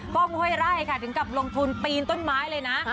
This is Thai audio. ก้องไห้ไร่ถึงกับลงทุนตีนต้นไม้เลยนะ